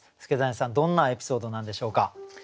祐真さんどんなエピソードなんでしょうか？